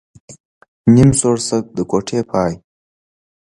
نيم سوړسک ، د کوټې پاى.